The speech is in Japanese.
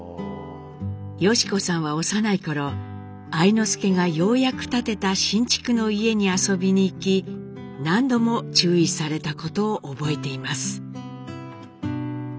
良子さんは幼い頃愛之助がようやく建てた新築の家に遊びに行き何度も注意されたことを覚えています。